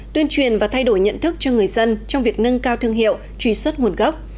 tuyên truyền và thay đổi nhận thức cho người dân trong việc nâng cao thương hiệu truy xuất nguồn gốc